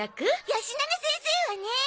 よしなが先生はねえ。